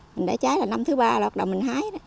mình để trái là năm thứ ba là bắt đầu mình hái